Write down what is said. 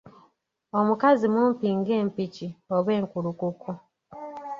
Omukazi mumpi nga Empiki oba enkulukuku.